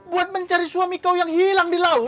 buat mencari suami kau yang hilang di laut